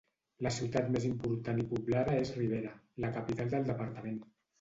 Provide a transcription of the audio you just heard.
La ciutat més important i poblada és Rivera, la capital del departament.